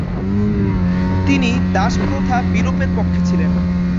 তিনি দাসপ্রথা বিলোপের পক্ষে ছিলেন।